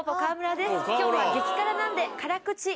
今日は激辛なんで。